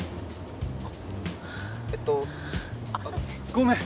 ごめん！